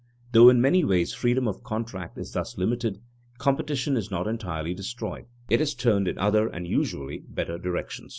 Though in many ways freedom of contract is thus limited, competition is not entirely destroyed; it is turned in other and usually better directions.